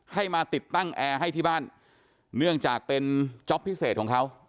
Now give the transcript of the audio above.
ให้มาติดตั้งแอร์ให้ที่บ้านเนื่องจากเป็นจ๊อปพิเศษของเขา